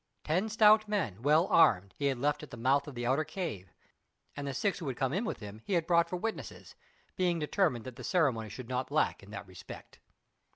Ten stout men, well armed, he had left at the mouth of the outer cave, and the six who had come in with him he had brought for witnesses, being determined that the ceremony should not lack in that respect.